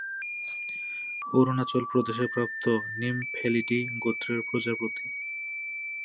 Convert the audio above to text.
অরুণাচল প্রদেশে প্রাপ্ত নিমফ্যালিডি গোত্রের প্রজাপতি